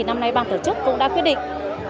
năm nay bà tổ chức cũng đã quyết định